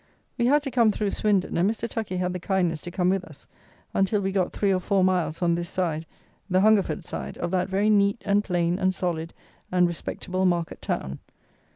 We had to come through Swindon, and Mr. Tucky had the kindness to come with us, until we got three or four miles on this side (the Hungerford side) of that very neat and plain and solid and respectable market town.